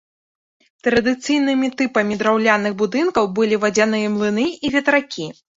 Традыцыйнымі тыпамі драўляных будынкаў былі вадзяныя млыны і ветракі.